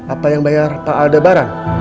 apa yang bayar pak aldebaran